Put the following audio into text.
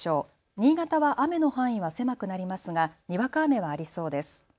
新潟は雨の範囲は狭くなりますがにわか雨はありそうです。